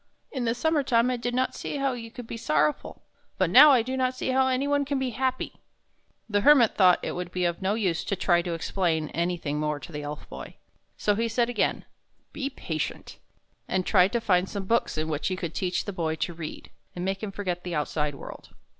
In the summer time I did not see how you could be sorrow ful; but now I do not see how any one can be happy." The Hermit thought it would be of no use to try to explain anything more to the Elf Boy; so he said again, " Be patient," and tried to find some books in which he could teach the Boy to read, and make him forget the outside world.